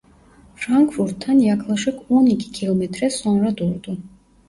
Frankfurt'tan yaklaşık on iki kilometre sonra durdu.